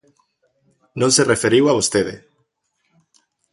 Non se referiu a vostede.